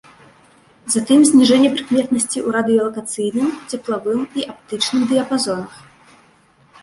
Затым зніжэнне прыкметнасці ў радыёлакацыйным, цеплавым і аптычным дыяпазонах.